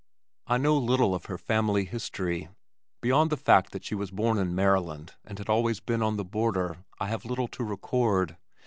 I know little of her family history. Beyond the fact that she was born in Maryland and had been always on the border, I have little to record.